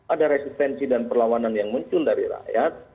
ada resistensi dan perlawanan yang muncul dari rakyat